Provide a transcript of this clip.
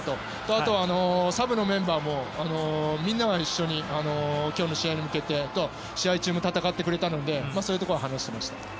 あとはサブのメンバーもみんな一緒に今日の試合に向けてと試合中も戦ってくれたのでそういうところは話していました。